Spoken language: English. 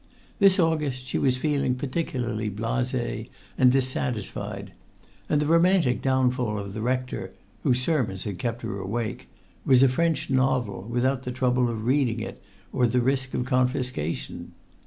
This August she was feeling particularly blasée and dissatisfied; and the romantic downfall of the rector—whose sermons had kept her awake—was a French novel without the trouble of reading it or the risk of confiscation.